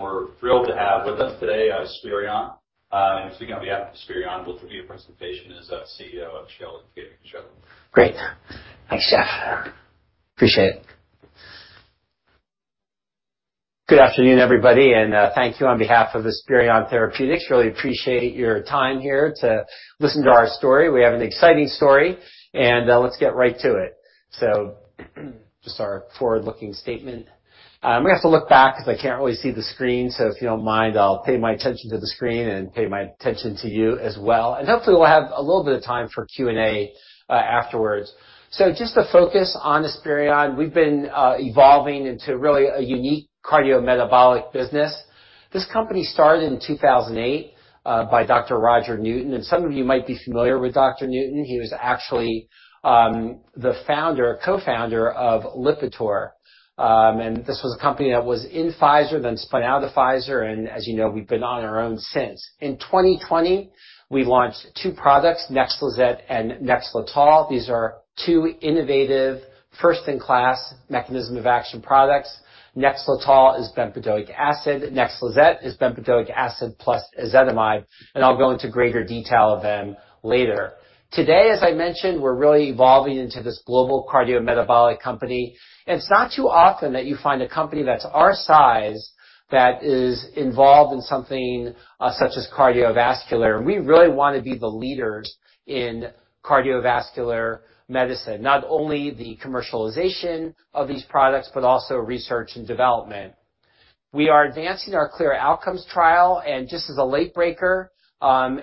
We're thrilled to have with us today, Esperion. Speaking on behalf of Esperion who will give you a presentation is our CEO, [Sheldon Koenig. Sheldon?] Great. Thanks, Jeff. Appreciate it. Good afternoon, everybody, and thank you on behalf of the Esperion Therapeutics. Really appreciate your time here to listen to our story. We have an exciting story, and let's get right to it. Just our forward-looking statement. I'm gonna have to look back because I can't really see the screen. If you don't mind, I'll pay my attention to the screen and pay my attention to you as well. Hopefully we'll have a little bit of time for Q&A afterwards. Just to focus on the Esperion, we've been evolving into really a unique cardiometabolic business. This company started in 2008 by Dr. Roger Newton, and some of you might be familiar with Dr. Newton. He was actually the founder, co-founder of Lipitor. This was a company that was in Pfizer then spun out of Pfizer. As you know, we've been on our own since. In 2020, we launched two products, NEXLIZET and NEXLETOL. These are two innovative first in class mechanism of action products. NEXLETOL is bempedoic acid. NEXLIZET is bempedoic acid plus ezetimibe, and I'll go into greater detail of them later. Today, as I mentioned, we're really evolving into this global cardiometabolic company. It's not too often that you find a company that's our size that is involved in something, such as cardiovascular. We really want to be the leaders in cardiovascular medicine. Not only the commercialization of these products, but also research and development. We are advancing our CLEAR Outcomes trial. Just as a late breaker,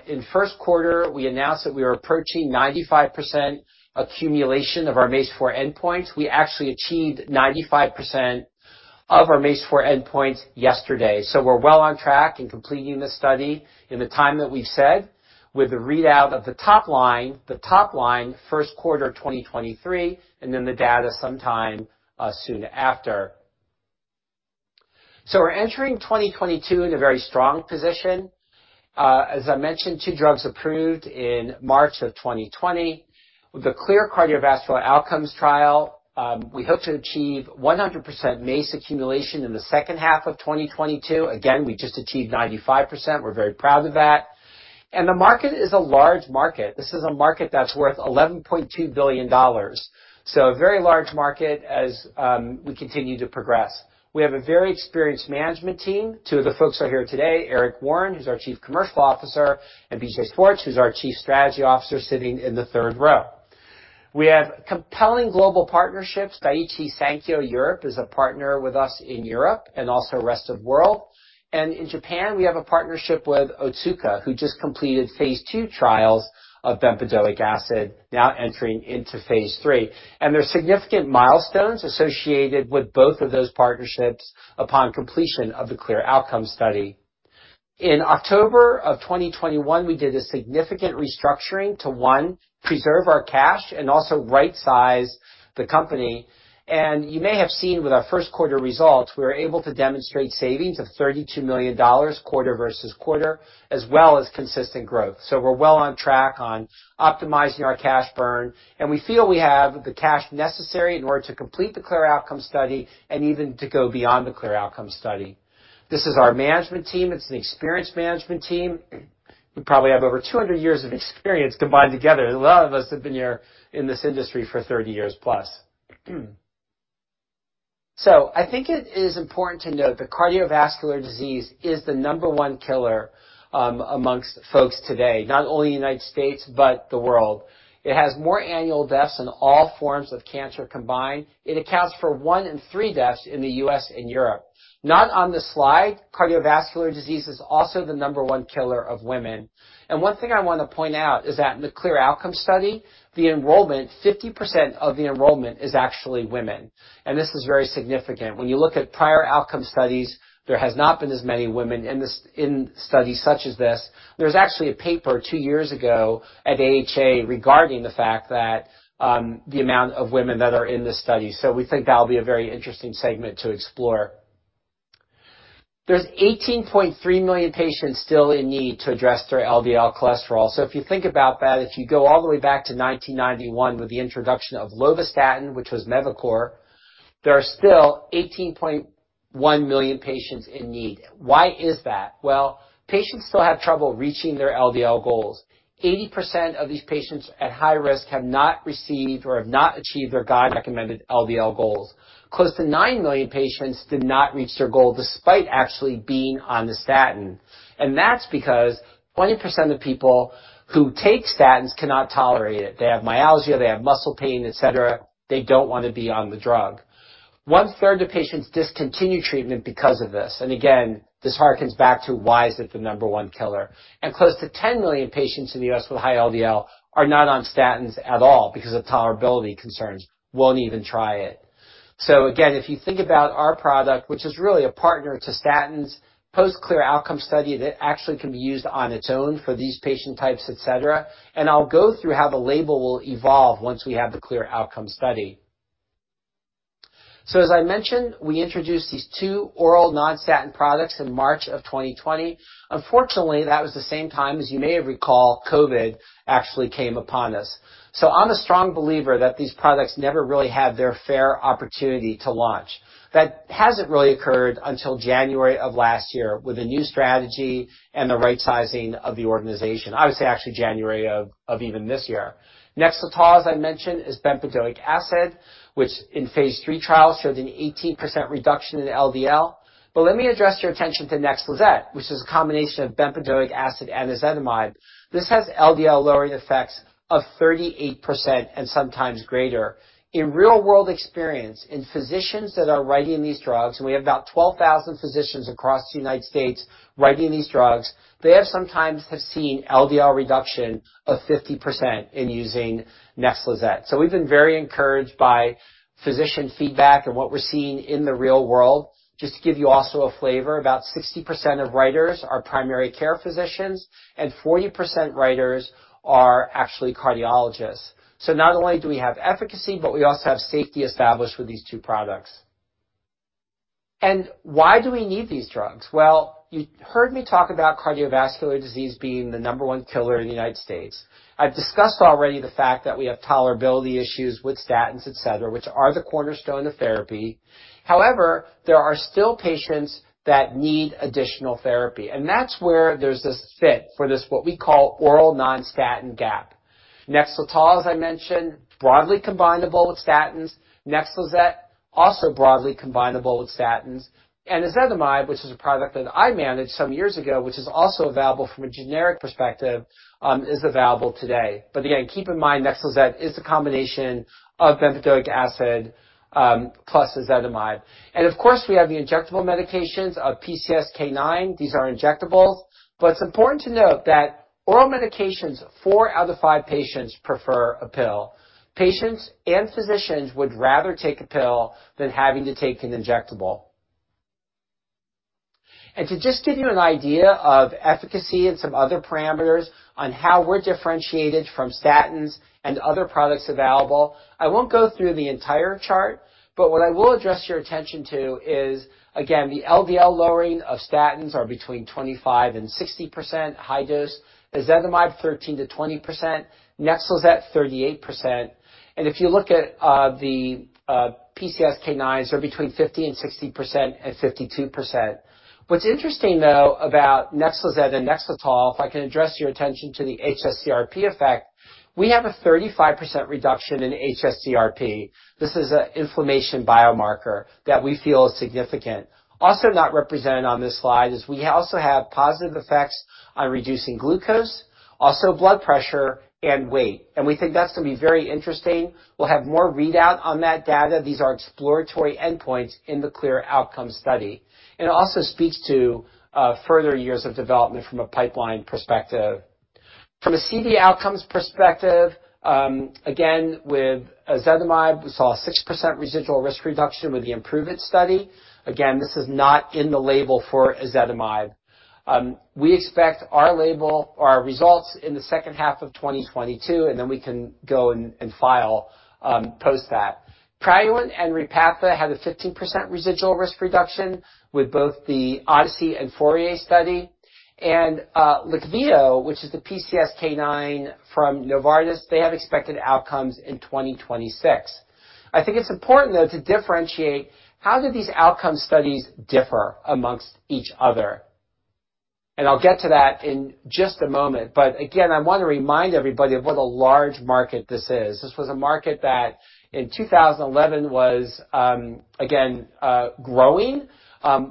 in first quarter, we announced that we are approaching 95% accumulation of our MACE-4 endpoint. We actually achieved 95% of our MACE-4 endpoint yesterday. We're well on track in completing this study in the time that we've said with the readout of the top line, first quarter 2023, and then the data sometime soon after. We're entering 2022 in a very strong position. As I mentioned, two drugs approved in March of 2020. The CLEAR cardiovascular outcomes trial, we hope to achieve 100% MACE accumulation in the second half of 2022. Again, we just achieved 95%. We're very proud of that. The market is a large market. This is a market that's worth $11.2 billion. A very large market as we continue to progress. We have a very experienced management team. Two of the folks are here today, Eric Warren, who's our Chief Commercial Officer, and BJ Swartz, who's our Chief Strategy Officer, sitting in the third row. We have compelling global partnerships. Daiichi Sankyo Europe is a partner with us in Europe and also rest of world. In Japan, we have a partnership with Otsuka, who just completed phase II trials of bempedoic acid now entering into phase III. There are significant milestones associated with both of those partnerships upon completion of the CLEAR Outcomes study. In October of 2021, we did a significant restructuring to, one, preserve our cash and also right size the company. You may have seen with our first quarter results, we were able to demonstrate savings of $32 million quarter-over-quarter, as well as consistent growth. We're well on track on optimizing our cash burn, and we feel we have the cash necessary in order to complete the CLEAR Outcomes study and even to go beyond the CLEAR Outcomes study. This is our management team. It's an experienced management team. We probably have over 200 years of experience combined together. A lot of us have been here in this industry for 30+ years. I think it is important to note that cardiovascular disease is the number one killer among folks today, not only in the U.S., but the world. It has more annual deaths than all forms of cancer combined. It accounts for one in three deaths in the U.S. and Europe. Not on this slide, cardiovascular disease is also the number one killer of women. One thing I want to point out is that in the CLEAR outcome study, the enrollment, 50% of the enrollment is actually women. This is very significant. When you look at prior outcome studies, there has not been as many women in studies such as this. There's actually a paper two years ago at AHA regarding the fact that the amount of women that are in this study. We think that'll be a very interesting segment to explore. There's 18.3 million patients still in need to address their LDL cholesterol. If you think about that, if you go all the way back to 1991 with the introduction of lovastatin, which was Mevacor, there are still 18.1 million patients in need. Why is that? Well, patients still have trouble reaching their LDL goals. 80% of these patients at high risk have not received or have not achieved their guideline recommended LDL goals. Close to 9 million patients did not reach their goal despite actually being on the statin. That's because 20% of people who take statins cannot tolerate it. They have myalgia, they have muscle pain, etc. They don't want to be on the drug. One-third of patients discontinue treatment because of this. Again, this harkens back to why is it the number one killer. Close to 10 million patients in the U.S. with high LDL are not on statins at all because of tolerability concerns, won't even try it. Again, if you think about our product, which is really a partner to statins, post CLEAR Outcomes study that actually can be used on its own for these patient types, etc. I'll go through how the label will evolve once we have the CLEAR Outcomes study. As I mentioned, we introduced these two oral non-statin products in March 2020. Unfortunately, that was the same time as you may recall, COVID actually came upon us. I'm a strong believer that these products never really had their fair opportunity to launch. That hasn't really occurred until January of last year with a new strategy and the right sizing of the organization. I would say actually January of even this year. NEXLETOL, as I mentioned, is bempedoic acid, which in phase III trials showed an 18% reduction in LDL. Let me address your attention to NEXLIZET, which is a combination of bempedoic acid and ezetimibe. This has LDL lowering effects of 38% and sometimes greater. In real-world experience, in physicians that are writing these drugs, and we have about 12,000 physicians across the U.S. writing these drugs, they have sometimes seen LDL reduction of 50% in using NEXLIZET. We've been very encouraged by physician feedback and what we're seeing in the real world. Just to give you also a flavor, about 60% of writers are primary care physicians, and 40% writers are actually cardiologists. Not only do we have efficacy, but we also have safety established with these two products. Why do we need these drugs? Well, you heard me talk about cardiovascular disease being the number one killer in the U.S.. I've discussed already the fact that we have tolerability issues with statins, et cetera, which are the cornerstone of therapy. However, there are still patients that need additional therapy, and that's where there's this fit for this, what we call oral non-statin gap. NEXLETOL, as I mentioned, broadly combinable with statins, NEXLIZET also broadly combinable with statins. Ezetimibe, which is a product that I managed some years ago, which is also available from a generic perspective, is available today. Again, keep in mind, NEXLIZET is the combination of bempedoic acid plus ezetimibe. Of course, we have the injectable medications of PCSK9. These are injectables. It's important to note that oral medications, four out of five patients prefer a pill. Patients and physicians would rather take a pill than having to take an injectable. To just give you an idea of efficacy and some other parameters on how we're differentiated from statins and other products available, I won't go through the entire chart, but what I will address your attention to is, again, the LDL lowering of statins are between 25%-60% high dose, ezetimibe 13%-20%, NEXLIZET 38%. If you look at the PCSK9s, they're between 50%-60% and 52%. What's interesting, though, about NEXLIZET and NEXLETOL, if I can address your attention to the hs-CRP effect, we have a 35% reduction in hs-CRP. This is an inflammation biomarker that we feel is significant. Also not represented on this slide is we also have positive effects on reducing glucose, also blood pressure and weight. We think that's going to be very interesting. We'll have more readout on that data. These are exploratory endpoints in the CLEAR Outcomes study. It also speaks to further years of development from a pipeline perspective. From a CV outcomes perspective, again, with ezetimibe, we saw a 6% residual risk reduction with the IMPROVE-IT study. Again, this is not in the label for ezetimibe. We expect our label or our results in the second half of 2022, and then we can go and file post that. Praluent and Repatha have a 15% residual risk reduction with both the ODYSSEY Outcomes and FOURIER studies. Leqvio, which is the PCSK9 from Novartis, they have expected outcomes in 2026. I think it's important, though, to differentiate how do these outcome studies differ amongst each other. I'll get to that in just a moment. I want to remind everybody of what a large market this is. This was a market that in 2011 was, again, growing.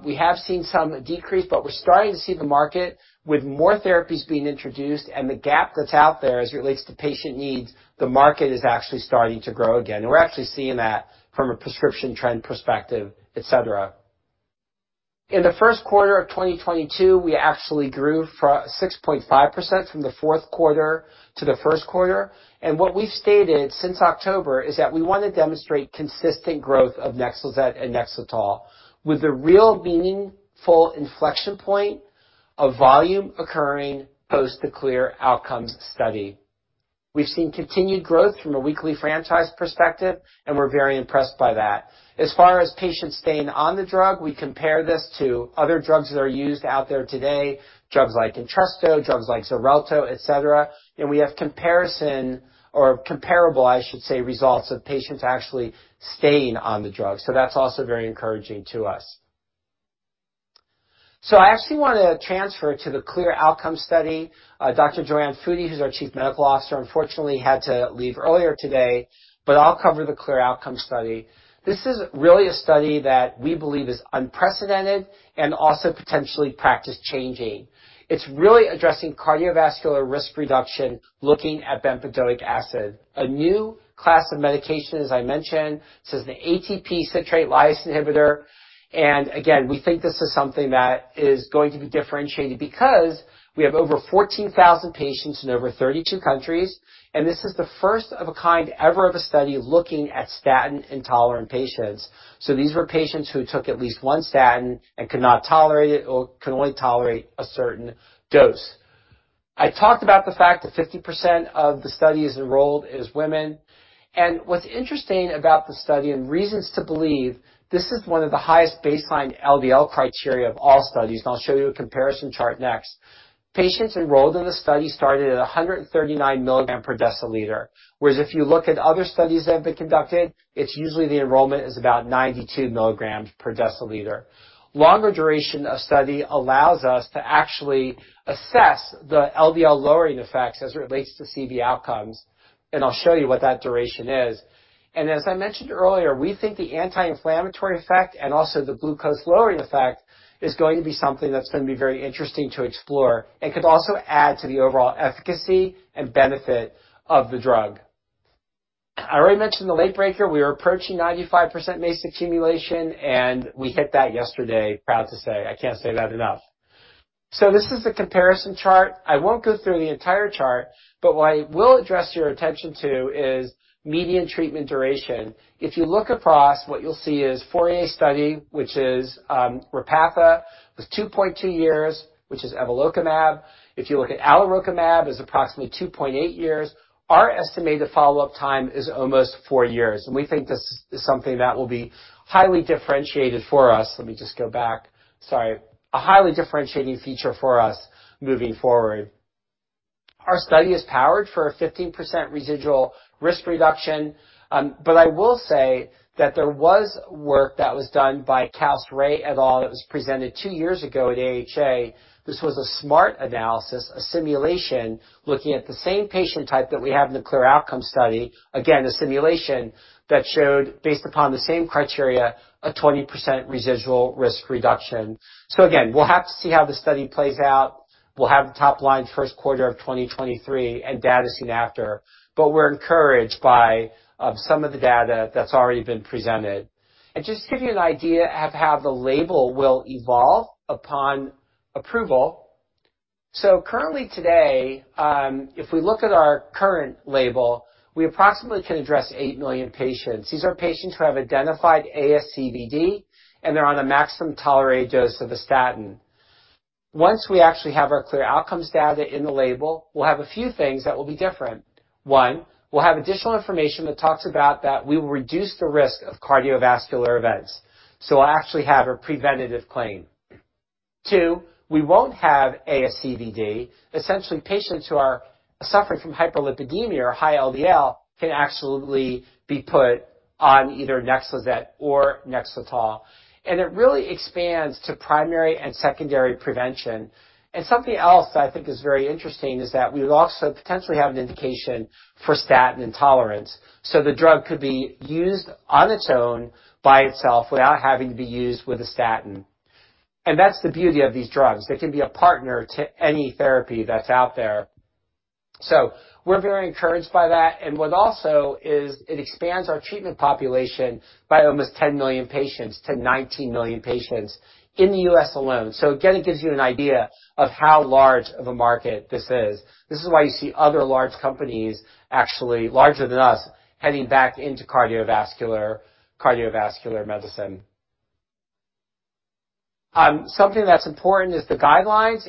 We have seen some decrease, but we're starting to see the market with more therapies being introduced and the gap that's out there as it relates to patient needs, the market is actually starting to grow again. We're actually seeing that from a prescription trend perspective, et cetera. In the first quarter of 2022, we actually grew 6.5% from the fourth quarter to the first quarter. What we've stated since October is that we want to demonstrate consistent growth of NEXLIZET and NEXLETOL with the real meaningful inflection point of volume occurring post the CLEAR Outcomes study. We've seen continued growth from a weekly franchise perspective, and we're very impressed by that. As far as patients staying on the drug, we compare this to other drugs that are used out there today, drugs like Entresto, drugs like XARELTO, et cetera. We have comparison or comparable, I should say, results of patients actually staying on the drug. That's also very encouraging to us. I actually want to transfer to the CLEAR Outcomes study. Dr. JoAnne Foody, who's our Chief Medical Officer, unfortunately, had to leave earlier today, but I'll cover the CLEAR Outcomes study. This is really a study that we believe is unprecedented and also potentially practice-changing. It's really addressing cardiovascular risk reduction, looking at bempedoic acid, a new class of medication, as I mentioned. This is an ATP citrate lyase inhibitor. Again, we think this is something that is going to be differentiated because we have over 14,000 patients in over 32 countries, and this is the first of a kind ever of a study looking at statin-intolerant patients. These were patients who took at least one statin and could not tolerate it or can only tolerate a certain dose. I talked about the fact that 50% of the studies enrolled is women. What's interesting about the study and reasons to believe this is one of the highest baseline LDL criteria of all studies, and I'll show you a comparison chart next. Patients enrolled in the study started at 139 mg/dL, whereas if you look at other studies that have been conducted, it's usually the enrollment is about 92 mg/dL. Longer duration of study allows us to actually assess the LDL lowering effects as it relates to CV outcomes, and I'll show you what that duration is. As I mentioned earlier, we think the anti-inflammatory effect and also the glucose lowering effect is going to be something that's going to be very interesting to explore and could also add to the overall efficacy and benefit of the drug. I already mentioned the late breaker. We are approaching 95% MACE accumulation, and we hit that yesterday. Proud to say. I can't say that enough. This is the comparison chart. I won't go through the entire chart, but what I will direct your attention to is median treatment duration. If you look across, what you'll see is FOURIER study, which is, Repatha, was 2.2 years, which is evolocumab. If you look at alirocumab, it's approximately 2.8 years. Our estimated follow-up time is almost four years, and we think this is something that will be highly differentiated for us. A highly differentiating feature for us moving forward. Our study is powered for a 15% residual risk reduction. But I will say that there was work that was done to give you an idea of how the label will evolve upon approval. Currently today, if we look at our current label, we approximately can address 8 million patients. These are patients who have identified ASCVD, and they're on a maximum tolerated dose of a statin. Once we actually have our CLEAR outcomes data in the label, we'll have a few things that will be different. One, we'll have additional information that talks about that we will reduce the risk of cardiovascular events. We'll actually have a preventive claim. Two, we won't have ASCVD. Essentially, patients who are suffering from hyperlipidemia or high LDL can absolutely be put on either NEXLIZET or NEXLETOL. It really expands to primary and secondary prevention. Something else that I think is very interesting is that we would also potentially have an indication for statin intolerance. The drug could be used on its own by itself without having to be used with a statin. That's the beauty of these drugs. They can be a partner to any therapy that's out there. We're very encouraged by that. What also is it expands our treatment population by almost 10 million patients to 19 million patients in the U.S. alone. Again, it gives you an idea of how large of a market this is. This is why you see other large companies, actually larger than us, heading back into cardiovascular medicine. Something that's important is the guidelines.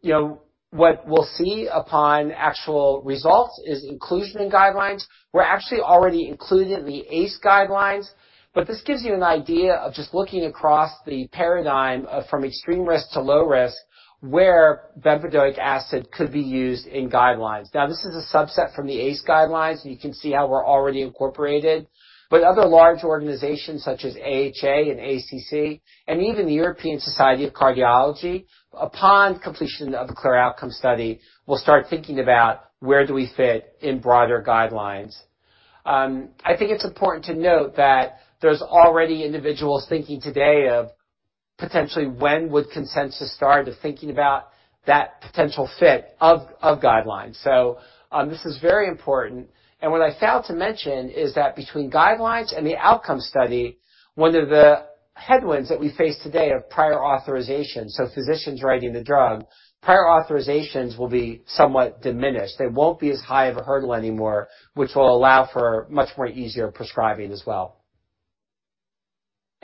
You know, what we'll see upon actual results is inclusion in guidelines. We're actually already included in the AACE guidelines, but this gives you an idea of just looking across the paradigm from extreme risk to low risk, where bempedoic acid could be used in guidelines. Now, this is a subset from the AACE guidelines, and you can see how we're already incorporated. Other large organizations such as AHA and ACC and even the European Society of Cardiology, upon completion of the CLEAR Outcomes study, will start thinking about where do we fit in broader guidelines. I think it's important to note that there's already individuals thinking today of potentially when would consensus start of thinking about that potential fit of guidelines. This is very important. What I failed to mention is that between guidelines and the outcome study, one of the headwinds that we face today of prior authorization, so physicians writing the drug, prior authorizations will be somewhat diminished. They won't be as high of a hurdle anymore, which will allow for much more easier prescribing as well.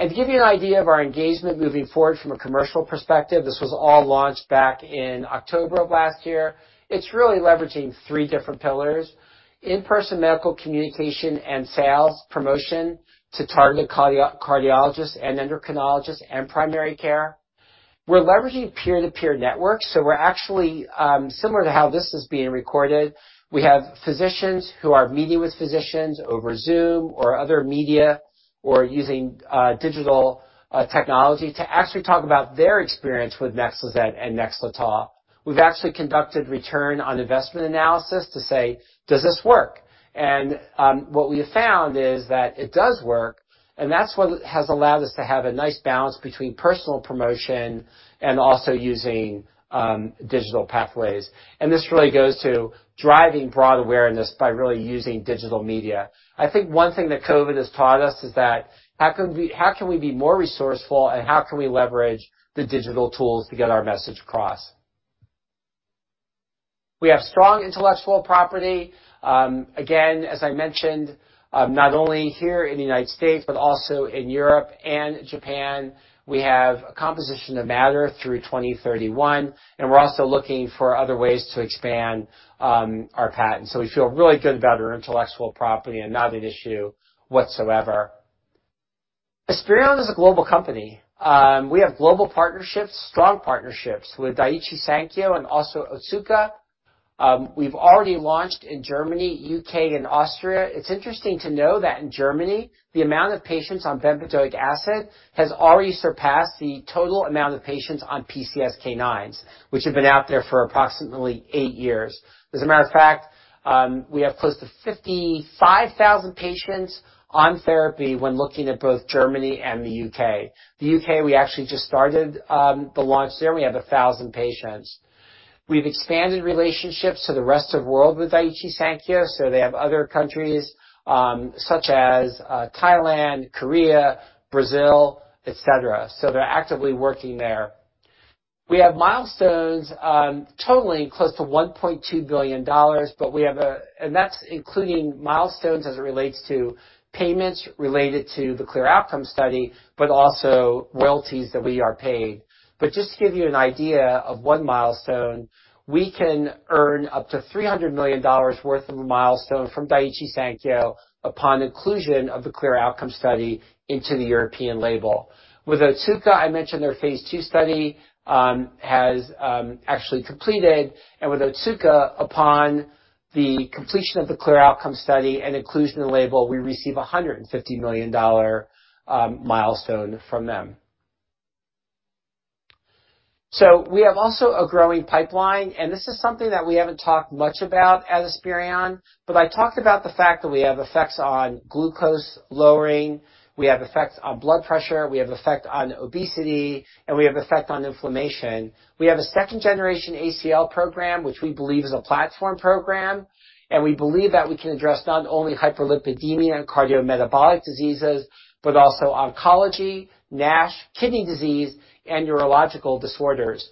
To give you an idea of our engagement moving forward from a commercial perspective, this was all launched back in October of last year. It's really leveraging three different pillars, in-person medical communication and sales promotion to targeted cardiologists and endocrinologists and primary care. We're leveraging peer-to-peer networks. We're actually similar to how this is being recorded. We have physicians who are meeting with physicians over Zoom or other media or using digital technology to actually talk about their experience with NEXLIZET and NEXLETOL. We've actually conducted return on investment analysis to say, does this work? What we have found is that it does work, and that's what has allowed us to have a nice balance between personal promotion and also using digital pathways. This really goes to driving broad awareness by really using digital media. I think one thing that COVID has taught us is that how can we, how can we be more resourceful and how can we leverage the digital tools to get our message across? We have strong intellectual property. Again, as I mentioned, not only here in the U.S., but also in Europe and Japan. We have a composition of matter through 2031, and we're also looking for other ways to expand our patents. We feel really good about our intellectual property and not an issue whatsoever. Esperion is a global company. We have global partnerships, strong partnerships with Daiichi Sankyo and also Otsuka. We've already launched in Germany, U.K., and Austria. It's interesting to know that in Germany, the amount of patients on bempedoic acid has already surpassed the total amount of patients on PCSK9s, which have been out there for approximately eight years. As a matter of fact, we have close to 55,000 patients on therapy when looking at both Germany and the U.K. The U.K., we actually just started the launch there. We have 1,000 patients. We've expanded relationships to the rest of the world with Daiichi Sankyo, so they have other countries, such as Thailand, Korea, Brazil, et cetera. They're actively working there. We have milestones totaling close to $1.2 billion, and that's including milestones as it relates to payments related to the CLEAR Outcome Study, but also royalties that we are paid. Just to give you an idea of one milestone, we can earn up to $300 million worth of a milestone from Daiichi Sankyo upon inclusion of the CLEAR Outcome Study into the European label. With Otsuka, I mentioned their phase II study has actually completed. With Otsuka, upon the completion of the CLEAR Outcome Study and inclusion in the label, we receive $150 million milestone from them. We have also a growing pipeline, and this is something that we haven't talked much about at Esperion. I talked about the fact that we have effects on glucose lowering, we have effects on blood pressure, we have effect on obesity, and we have effect on inflammation. We have a second-generation ACL program, which we believe is a platform program, and we believe that we can address not only hyperlipidemia and cardiometabolic diseases, but also oncology, NASH, kidney disease, and neurological disorders.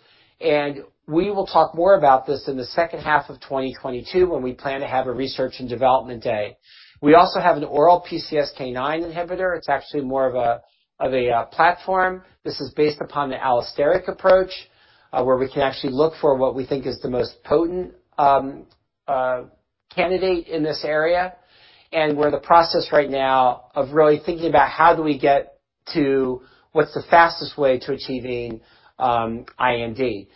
We will talk more about this in the second half of 2022, when we plan to have a research and development day. We also have an oral PCSK9 inhibitor. It's actually more of a platform. This is based upon the allosteric approach, where we can actually look for what we think is the most potent candidate in this area. We're in the process right now of really thinking about how do we get to what's the fastest way to achieving IND.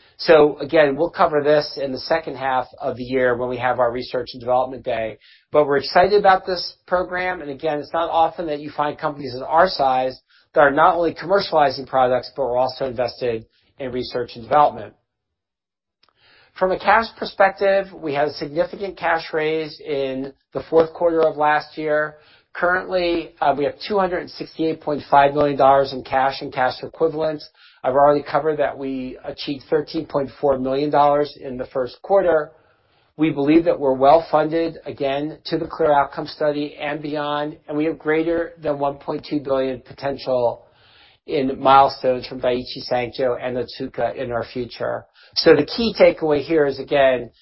We'll cover this in the second half of the year when we have our research and development day. We're excited about this program. It's not often that you find companies of our size that are not only commercializing products, but we're also invested in research and development. From a cash perspective, we had a significant cash raise in the fourth quarter of last year. Currently, we have $268.5 million in cash and cash equivalents. I've already covered that we achieved $13.4 million in the first quarter. We believe that we're well-funded, again, to the CLEAR Outcome study and beyond, and we have greater than $1.2 billion potential in milestones from Daiichi Sankyo and Otsuka in our future. The key takeaway here is, again,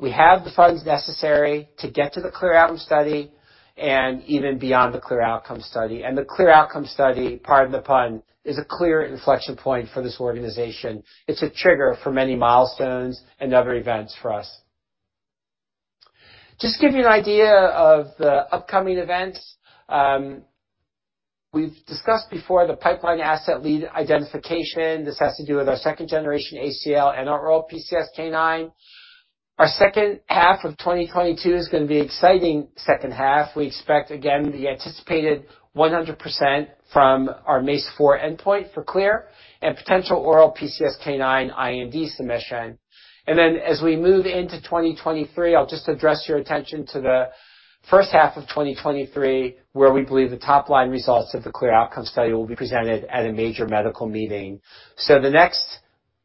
we have the funds necessary to get to the CLEAR Outcome study and even beyond the CLEAR Outcome study. The CLEAR Outcome study, pardon the pun, is a clear inflection point for this organization. It's a trigger for many milestones and other events for us. Just to give you an idea of the upcoming events. We've discussed before the pipeline asset lead identification. This has to do with our second-generation ACL and our oral PCSK9. Our second half of 2022 is gonna be exciting second half. We expect, again, the anticipated 100% from our MACE-4 endpoint for CLEAR and potential oral PCSK9 IND submission. As we move into 2023, I'll just address your attention to the first half of 2023, where we believe the top-line results of the CLEAR Outcome Study will be presented at a major medical meeting. The next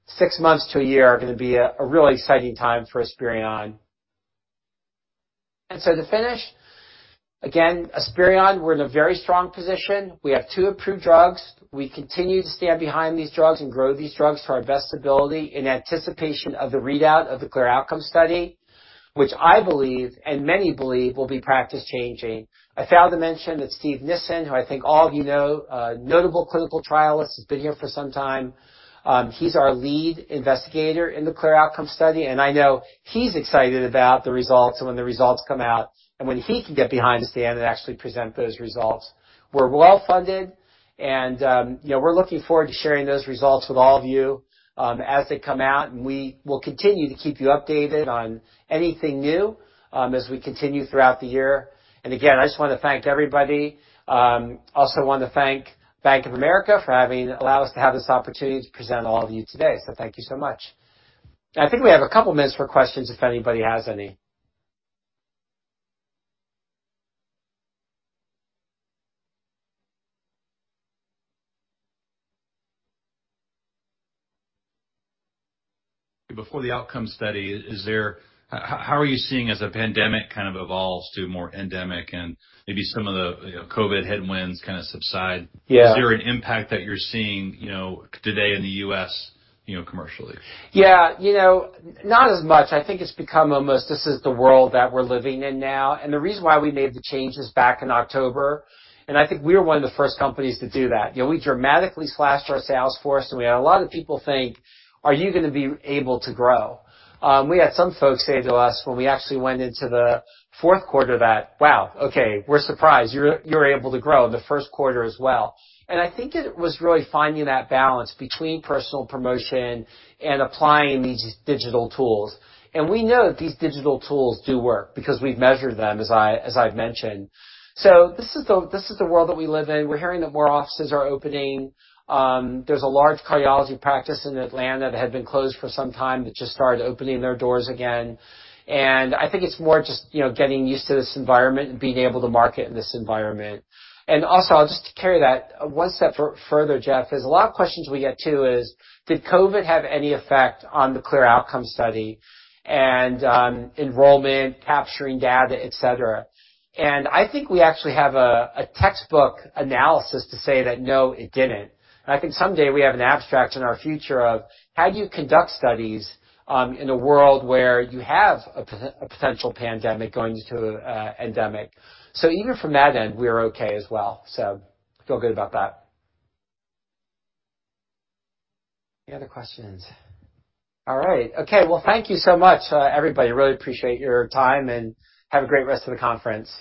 six months to a year are gonna be a really exciting time for Esperion. To finish, again, Esperion, we're in a very strong position. We have two approved drugs. We continue to stand behind these drugs and grow these drugs to our best ability in anticipation of the readout of the CLEAR Outcome study, which I believe, and many believe, will be practice-changing. I failed to mention that Steven Nissen, who I think all of you know, a notable clinical trialist, has been here for some time. He's our lead investigator in the CLEAR Outcome Study, and I know he's excited about the results and when the results come out and when he can get behind the stand and actually present those results. We're well-funded and, you know, we're looking forward to sharing those results with all of you, as they come out, and we will continue to keep you updated on anything new, as we continue throughout the year. Again, I just wanna thank everybody. Also want to thank Bank of America for having allowed us to have this opportunity to present to all of you today. Thank you so much. I think we have a couple minutes for questions if anybody has any. Before the outcome study, how are you seeing as the pandemic kind of evolves to more endemic and maybe some of the, you know, COVID headwinds kind of subside? Yeah. Is there an impact that you're seeing, you know, today in the U.S., you know, commercially? Yeah. You know, not as much. I think it's become almost this is the world that we're living in now. The reason why we made the changes back in October, and I think we are one of the first companies to do that. You know, we dramatically slashed our sales force and we had a lot of people think, "Are you gonna be able to grow?" We had some folks say to us when we actually went into the fourth quarter that, "Wow, okay, we're surprised you're able to grow in the first quarter as well." I think it was really finding that balance between personal promotion and applying these digital tools. We know that these digital tools do work because we've measured them, as I've mentioned. This is the world that we live in. We're hearing that more offices are opening. There's a large cardiology practice in Atlanta that had been closed for some time that just started opening their doors again. I think it's more just, you know, getting used to this environment and being able to market in this environment. Also, I'll just carry that one step further, Jeff. There's a lot of questions we get too is, did COVID have any effect on the CLEAR Outcomes study and enrollment, capturing data, et cetera? I think we actually have a textbook analysis to say that, no, it didn't. I think someday we have an abstract in our future of how do you conduct studies in a world where you have a potential pandemic going to an endemic. Even from that end, we're okay as well. Feel good about that. Any other questions? All right. Okay. Well, thank you so much, everybody. Really appreciate your time, and have a great rest of the conference.